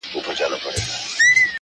د سترگو هره ائينه کي مي جلا ياري ده.